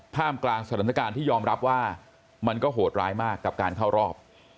กลางสถานการณ์ที่ยอมรับว่ามันก็โหดร้ายมากกับการเข้ารอบ